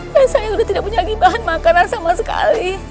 dan saya sudah tidak punya bahan makanan sama sekali